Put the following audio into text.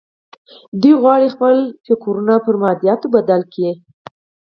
دوی غواړي خپل افکار پر مادياتو بدل کړي.